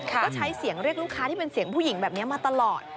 ก็ใช้เสียงเรียกลูกค้าที่เป็นเสียงผู้หญิงแบบนี้มาตลอด